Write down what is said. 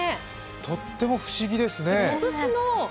とっても不思議ですね。